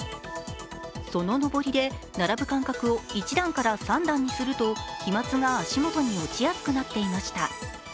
その上りで並ぶ間隔を１段から３段にすると飛まつが足元に落ちやすくなっていました。